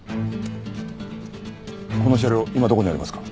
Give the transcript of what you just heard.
この車両今どこにありますか？